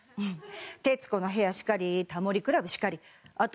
『徹子の部屋』しかり『タモリ倶楽部』しかりあと